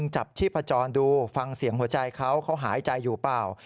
จับชีพจรดูฟังเสียงหัวใจเขาเขาหายใจอยู่เปล่า